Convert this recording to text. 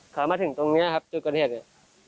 ครั้งมาถึงตรงเนี้ยครับจุอย่างเห็นไหม